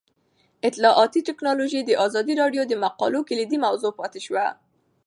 اطلاعاتی تکنالوژي د ازادي راډیو د مقالو کلیدي موضوع پاتې شوی.